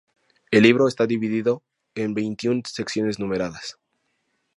El libro está dividido en veintiún secciones numeradas.